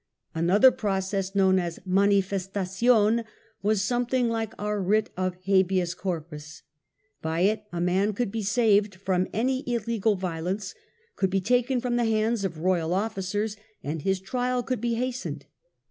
Another process known as manifestation was something hke our own writ of Habeas Corpus ; by it a man could be saved from any illegal violence, could be taken from the hands of royal officers, and his trial could be has tened.